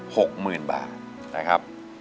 หกหมื่นบาทนะครับ